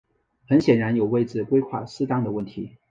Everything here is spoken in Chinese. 很显然有位置规划失当的问题。